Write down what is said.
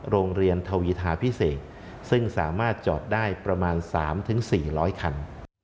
โรงเรียนทวีทาพิเศษซึ่งสามารถจอดได้ประมาณ๓๔๐๐คัน